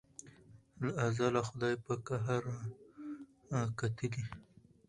له ازله خدای په قهر را کتلي